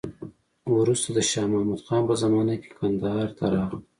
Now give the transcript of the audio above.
وروسته د شا محمود خان په زمانه کې کندهار ته راغله.